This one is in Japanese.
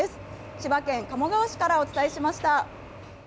千葉県鴨川市からお伝えしました。